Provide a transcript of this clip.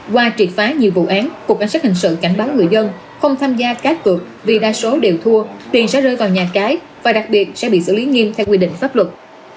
qua triệt phá nhiều vụ án cục cảnh sát hình sự cảnh báo người dân không tham gia cá cược vì đa số đều thua tiền sẽ rơi vào nhà cái và đặc biệt sẽ bị xử lý nghiêm theo quy định pháp luật